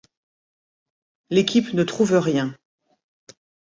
L'équipe ne trouve rien.